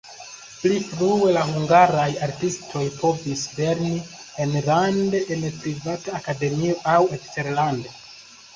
Pli frue la hungaraj artistoj povis lerni enlande en privata akademio aŭ eksterlande.